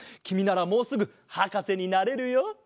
きみならもうすぐはかせになれるよ。